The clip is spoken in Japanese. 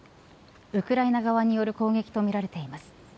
ウクライナ側による攻撃とみられています。